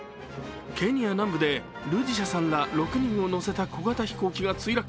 ケニア南部でルディシャさんら６人を乗せた小型飛行機が墜落。